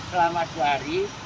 selama dua hari